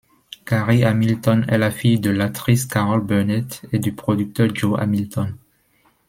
Carrie Hamilton est la fille de l'actrice Carol Burnett et du producteur Joe Hamilton.